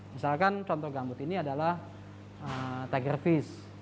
misalkan contoh gambut ini adalah tiger fish